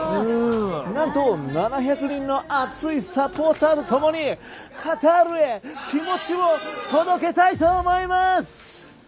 何と７００人の熱いサポーターとともにカタールへ気持ちを届けたいと思います。